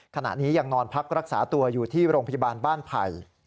ขณะนี้ยังนอนพักรักษาตัวอยู่ที่โรงพยาบาลบ้านไผ่